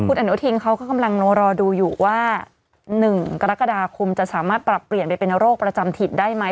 คุณอนุทินเขาก็กำลังรอดูอยู่ว่า๑กรกฎาคมจะสามารถปรับเปลี่ยนไปเป็นโรคประจำถิตได้ไหม